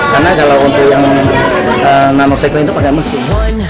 karena kalau untuk yang nano sighting itu pakai mesin